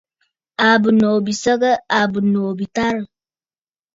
Àa bɨ̀nòò bi səgə? Àa bɨnòò bi tarə̀.